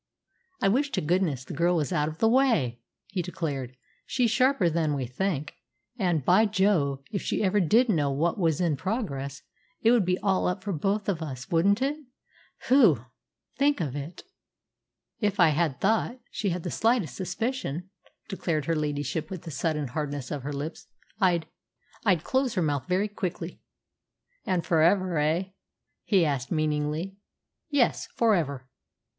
"I wish to goodness the girl was out of the way!" he declared. "She's sharper than we think, and, by Jove! if ever she did know what was in progress it would be all up for both of us wouldn't it? Phew! think of it!" "If I thought she had the slightest suspicion," declared her ladyship with a sudden hardness of her lips, "I'd I'd close her mouth very quickly." "And for ever, eh?" he asked meaningly. "Yes, for ever."